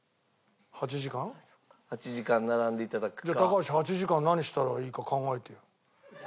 じゃあ高橋８時間何したらいいか考えてよ。